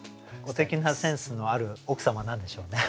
すてきなセンスのある奥様なんでしょうね。